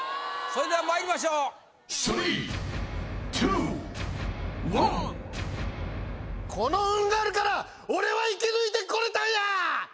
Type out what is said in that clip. それではまいりましょうこの運があるから俺は生き抜いてこれたんや！